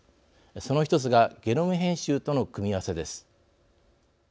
その１つがゲノム編集との組み合わせです。